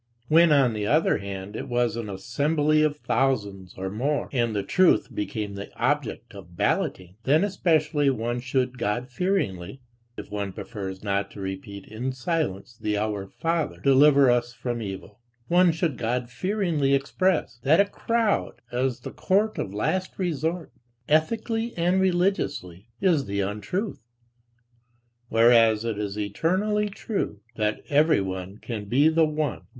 When on the other hand it was an assembly of thousands or more, and "the truth" became the object of balloting, then especially one should godfearingly if one prefers not to repeat in silence the Our Father: deliver us from evil one should godfearingly express, that a crowd, as the court of last resort, ethically and religiously, is the untruth, whereas it is eternally true, that everyone can be the one.